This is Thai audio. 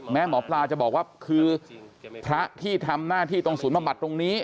หมอปลาจะบอกว่าคือพระที่ทำหน้าที่ตรงศูนย์บำบัดตรงนี้